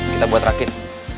kita buat rakit